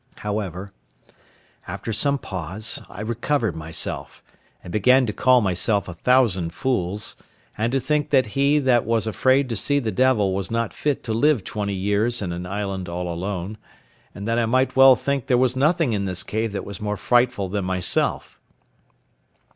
However, after some pause I recovered myself, and began to call myself a thousand fools, and to think that he that was afraid to see the devil was not fit to live twenty years in an island all alone; and that I might well think there was nothing in this cave that was more frightful than myself.